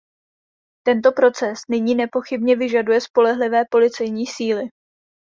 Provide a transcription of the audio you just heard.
Tento proces nyní nepochybně vyžaduje spolehlivé policejní síly.